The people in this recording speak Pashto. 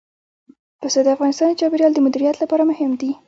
پسه د افغانستان د چاپیریال د مدیریت لپاره مهم دي.